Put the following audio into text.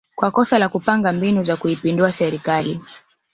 kwa kosa la kupanga mbinu za kuipindua serikali